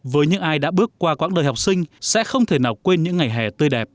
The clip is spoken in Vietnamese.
với những ai đã bước qua quãng đời học sinh sẽ không thể nào quên những ngày hè tươi đẹp